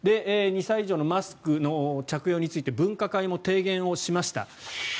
２歳以上のマスクの着用について分科会も提言しました。